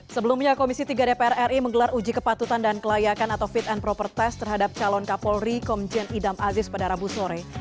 sebelumnya komisi tiga dpr ri menggelar uji kepatutan dan kelayakan atau fit and proper test terhadap calon kapolri komjen idam aziz pada rabu sore